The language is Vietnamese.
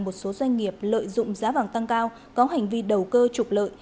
một số doanh nghiệp lợi dụng giá vàng tăng cao có hành vi đầu cơ trục lợi